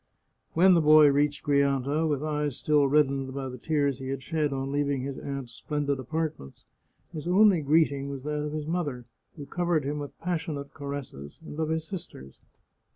When the boy reached Grianta, with eyes still reddened by the tears he had shed on leaving his aunt's splendid apart ments, his only greeting was that of his mother, who cov ered him with passionate caresses, and of his sisters.